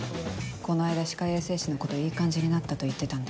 この間歯科衛生士の子といい感じになったと言ってたんで。